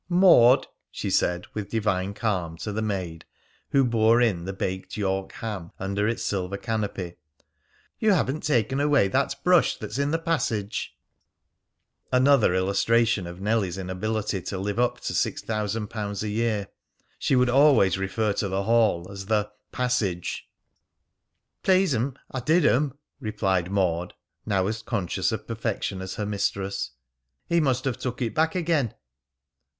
"Maud," she said with divine calm to the maid who bore in the baked York ham under its silver canopy, "you haven't taken away that brush that's in the passage." Another illustration of Nellie's inability to live up to six thousand pounds a year; she would always refer to the hall as the "passage." "Please'm, I did, m'm," replied Maud, now as conscious of perfection as her mistress. "He must have took it back again."